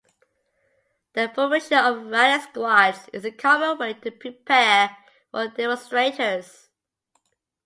The formation of 'rally squads' is a common way to prepare for demonstrators...